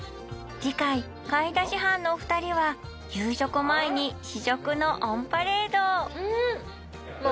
回買い出し班の２人は食前に試食のオンパレードう